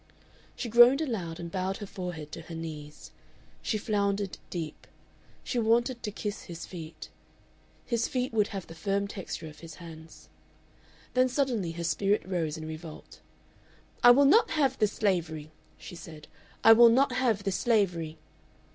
She groaned aloud and bowed her forehead to her knees. She floundered deep. She wanted to kiss his feet. His feet would have the firm texture of his hands. Then suddenly her spirit rose in revolt. "I will not have this slavery," she said. "I will not have this slavery."